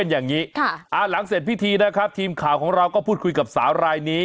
อย่างนี้หลังเสร็จพิธีนะครับทีมข่าวของเราก็พูดคุยกับสาวรายนี้